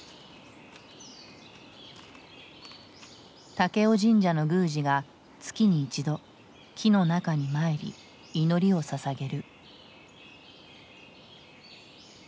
武雄神社の宮司が月に一度木の中に参り祈りをささげる。